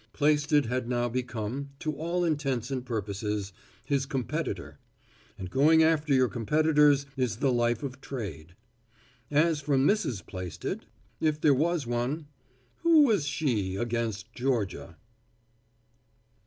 Plaisted had now become, to all intents and purposes, his competitor; and going after your competitors is the life of trade. As for Mrs. Plaisted if there was one who was she against Georgia?